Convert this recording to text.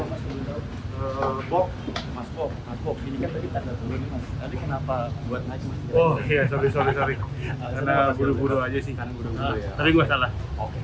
mas kok kok ini kenapa buat oh ya sobat sobat karena buru buru aja sih tadi gue salah oke